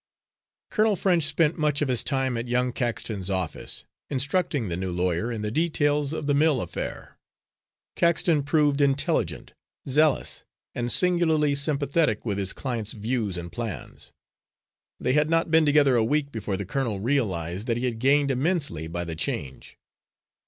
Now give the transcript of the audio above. Colonel French spent much of his time at young Caxton's office, instructing the new lawyer in the details of the mill affair. Caxton proved intelligent, zealous, and singularly sympathetic with his client's views and plans. They had not been together a week before the colonel realised that he had gained immensely by the change.